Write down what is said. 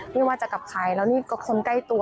ไม่ว่าจะกับใครแล้วนี่ก็คนใกล้ตัว